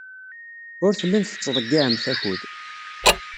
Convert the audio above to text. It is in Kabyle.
Ur tellimt tettḍeyyiɛemt akud.